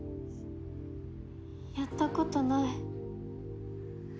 やったことない。